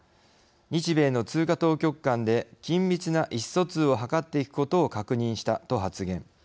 日米の通貨当局間で緊密な意思疎通を図っていくことを確認した」と発言。